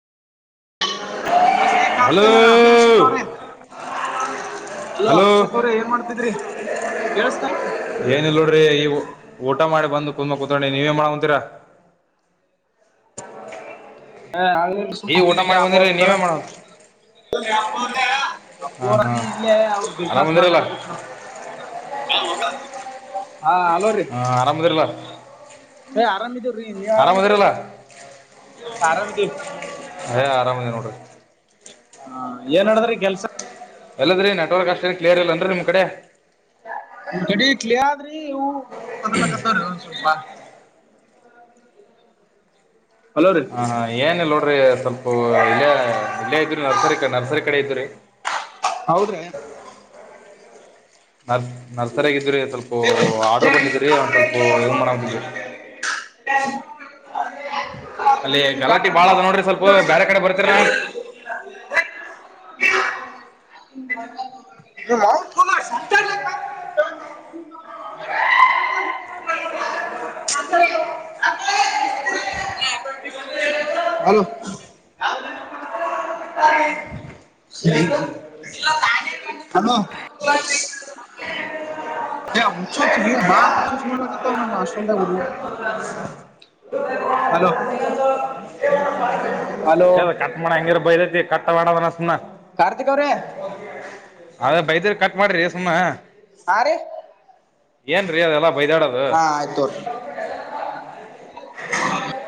ಬಸ ಕತ ಹಲೋ ಅಭಷ ತ್ರ ಅಲ್ಲೋ ಹಲೋ ಅಕ್ಷಕ್ ಅವ್ರ ಏನ್ ಮಾಡ್ತಿದ್ರಿ ಕೇೇಳಸ್ತ ಏನ ಇಲ್ ನೋಡ್ರಿ ಈ ಊಟ ಮಾಡಿ ಬಂದು ಕುತ್ ಕುತ್ಡಿ ನೀವೇನ್ ಮಾಡ ಅಂತೀರಾ ಹ ಅ ಈ ಊಟ ಸುದಿಲ್ಲ ಮಾಡಿ ಬಂದಿರಿ ಅರ್ತರ ನೀವೇ ಮಾಡ ಹಾಂ ಹಾಂ ಅಪ್ಪೂರ್ರೀ ಇಲ್ಲೇ ಅವ್ರ ಬಿಸ್ನೆಸ್ ಆರಾಮದಿರಲ್ಲ ಮಾತಾಡ್ಲಕ್ತ್ತಾರ ಹಾ ಅಲೋ ರೀ ಹಾಂ ಆರಾಮದಿರಲ್ಲ ಏ ಆರಾಮಿದೀವ್ರಿ ನೀವ್ ಆರಾಮಿದಿರಲ್ಲ ಹ ಆರಾಮದ ನೋಟ ಹಾ ಏನ್ಡಿದ್ರಿ ಕೆಲ್ಸ ಎಲ್ಲದ್ರೀ ನೆಟ್ರ್ಕ್ ಅಷ್ಟೇ ಕ್ಯರ್ಲ್ಲನ್ರಿ ನಿಮ್ ಕಡೆ ಗಡಿ ಕ್ಲಿಯ ಆದ್ರಿ ಹ ಬದರ್ಲಕ್ಕತ್ತವ್ರೀ ಒ ಸ್ವಲ್ಪ ಹಲೋ ರೀ ಹ ಏನ್ ನೋಡ್ರಿ ಸ್ವಲ್ಪ ಇಲ್ಲೇ ಇಲ್ಲೇ ಇದ್ರರಿ ನರ್ಸರಿ ಕ ನರ್ಸರಿ ಕಡೆ ಇದ್ರರಿ ಹೌದ್ರಿ ನರ್ಸ್ ನರ್ಸರಿಯಾಗಿದ್ರೀ ಸ್ವಲ್ಪ ಆರ್ಡ್ರ್ ಬಂದಿದ್ದ್ರೀ ಒಂದು ಸ್ವಲ್ಪ ಇದು ಮಾಡೋದಿಲ್ಲ ರೀ ಹ ಅಲ್ಲಿ ಗಲಾಟಿ ಬಾಳ ಅದ ನೋಡ್ರಿ ಸ್ವಲ್ಪ ಬೇರೆ ಕಡೆ ಬರ್ತೀರ [unintelligible] ಹಲೋ ಸರಿ [unintelligible] ಹಮ್ಮ ಹುಚ್ಚು ರ ಹುಚ್ಚುಸ್ ಮಾಡಲ ನಮ್ಮ ಅಷ್ಟು ಹಲೋ ಹಲೋ ಕಟ್ ಮಾಡ ಹಂಗಿರ ಬೈಲೈತಿ ಕಟ್ಟ ಮಾಡ ಕಾರ್ತಿಕ್ ಅವ್ರೆ ಅದ ಬೈದ್ರ ಕಟ್ ಮಾಡಿರಿ ಸುಮಮ್ಮನೆ ಹಾ ರೀ ಏನ್ ರೀ ಅದೆಲ್ಲ ಬೈದಾಡ ಹಾ ಆಯ್ತುರರಿ